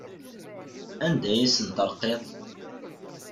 Anda ay asen-terqiḍ?